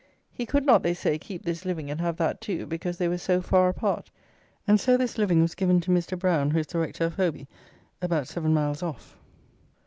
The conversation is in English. He could not, they say, keep this living and have that too, because they were so far apart. And so this living was given to Mr. Brown, who is the rector of Hobey, about seven miles off."